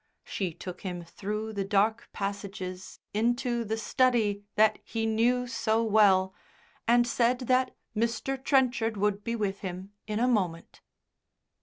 She took him through the dark passages into the study that he knew so well, and said that Mr. Trenchard would be with him in a moment.